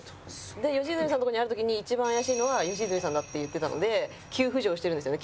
で良純さんのとこにある時に一番怪しいのは良純さんだって言ってたので急浮上してるんですよね